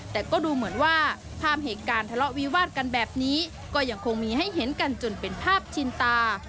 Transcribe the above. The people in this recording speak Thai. แต่ก็ดูเหมือนว่าภาพเหตุการณ์ทะเลาะวิวาดกันแบบนี้ก็ยังคงมีให้เห็นกันจนเป็นภาพชินตา